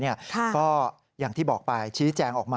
ก็อย่างที่บอกไปชี้แจงออกมา